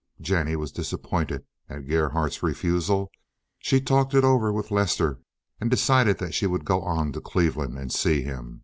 Jennie was disappointed at Gerhardt's refusal. She talked it over with Lester, and decided that she would go on to Cleveland and see him.